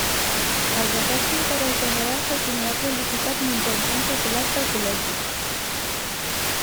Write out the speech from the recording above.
Als acords d'interès general se'ls donarà publicitat mitjançant circulars del Col·legi.